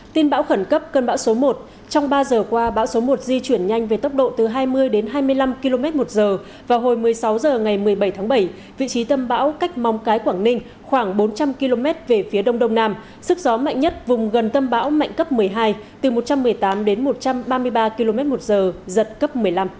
tin bão khẩn cấp cơn bão số một trong ba giờ qua bão số một di chuyển nhanh về tốc độ từ hai mươi đến hai mươi năm km một giờ vào hồi một mươi sáu h ngày một mươi bảy tháng bảy vị trí tâm bão cách mong cái quảng ninh khoảng bốn trăm linh km về phía đông đông nam sức gió mạnh nhất vùng gần tâm bão mạnh cấp một mươi hai từ một trăm một mươi tám đến một trăm ba mươi ba km một giờ giật cấp một mươi năm